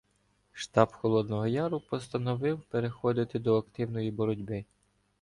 Штаб Холодного Яру постановив переходити до активної боротьби.